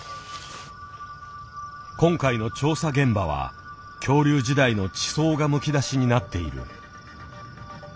今回の調査現場は恐竜時代の地層がむき出しになっている。